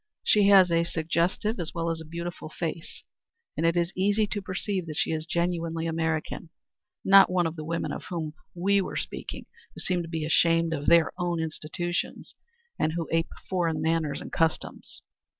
She has a suggestive as well as a beautiful face, and it is easy to perceive that she is genuinely American not one of the women of whom we were speaking, who seem to be ashamed of their own institutions, and who ape foreign manners and customs.